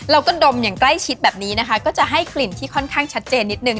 ดมอย่างใกล้ชิดแบบนี้นะคะก็จะให้กลิ่นที่ค่อนข้างชัดเจนนิดนึ